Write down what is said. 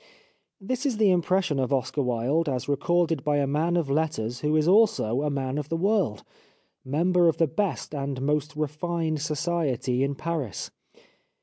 This is the impression of Oscar Wilde as re corded by a man of letters who is also a man of the world, member of the best and most re fined society in Paris.